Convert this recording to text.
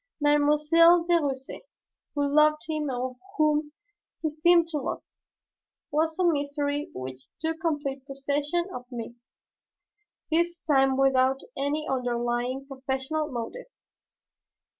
Mademoiselle de Russaie, who loved him and whom he seemed to love, was a mystery which took complete possession of me, this time without any underlying professional motive.